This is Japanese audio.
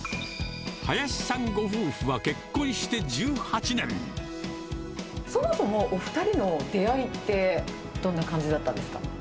林さんご夫婦は結婚して１８そもそもお２人の出会いってどんな感じだったんですか？